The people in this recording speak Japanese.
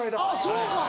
そうか。